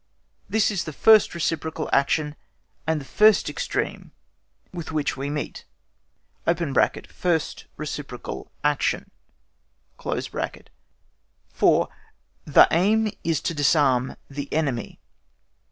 This is the first reciprocal action, and the first extreme with which we meet (first reciprocal action). 4. THE AIM IS TO DISARM THE ENEMY.